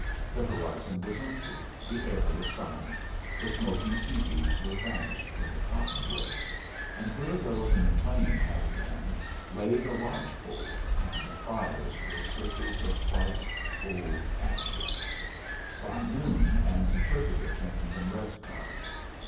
The horizon was empty, the air was silent, the smoking tepees were vanished from the cottonwoods, and where those in the plain had been lay the lodge poles, and the fires were circles of white, cold ashes. By noon an interpreter came from Red Cloud.